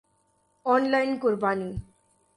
on line قربانی